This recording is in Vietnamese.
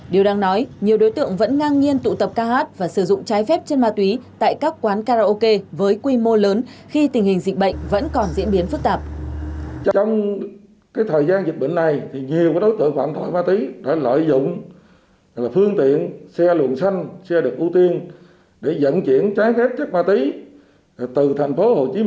điều đáng nói nhiều đối tượng vẫn ngang nhiên tụ tập ca hát và sử dụng trái phép chân ma túy tại các quán karaoke với quy mô lớn khi tình hình dịch bệnh vẫn còn diễn biến phức tạp